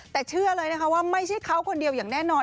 แต่เชื่อเลยนะคะว่าไม่ใช่เขาคนเดียวอย่างแน่นอน